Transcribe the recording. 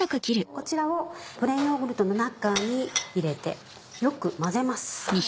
こちらをプレーンヨーグルトの中に入れてよく混ぜます。